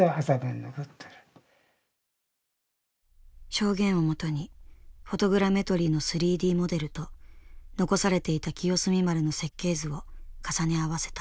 証言をもとにフォトグラメトリーの３Ｄモデルと残されていた清澄丸の設計図を重ね合わせた。